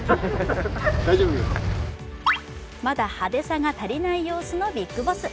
まだ派手さが足りない様子のビッグボス。